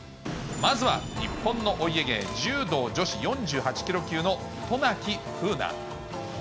まずは日本のお家芸、柔道女子４８キロ級の渡名喜風南。